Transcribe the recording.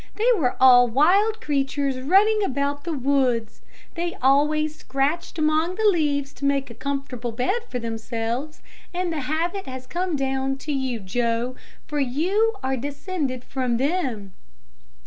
They were all wild creatures running about the woods. They always scratched among the leaves to make a comfortable bed for themselves, and the habit has come down to you, Joe, for you are descended from them."